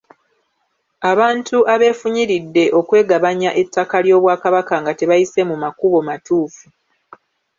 Abantu abeefunyiridde okwegabanya ettaka ly’Obwakabaka nga tebayise mu makubo matuufu.